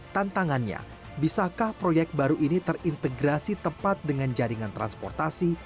tantangannya bisakah proyek baru ini terintegrasi tepat dengan jaringan transportasi